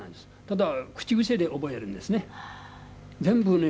ただ口癖で覚えるんですね。